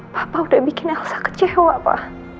papa udah bikin elsa kecewa pa